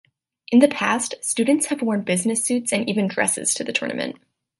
In the past, students have worn business suits and even dresses to the tournament.